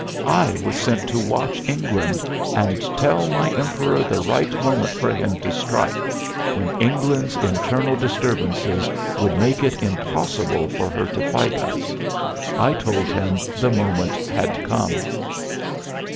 I was sent to watch England and tell my Emperor the right moment for him to strike, when England's internal disturbances would make it impossible for her to fight us. I told him the moment had come."